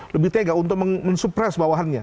lebih tega untuk mensupres bawahannya